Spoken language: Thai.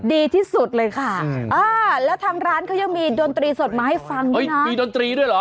ดีที่สุดเลยค่ะอ่าแล้วทางร้านเขายังมีดนตรีสดมาให้ฟังด้วยนะมีดนตรีด้วยเหรอ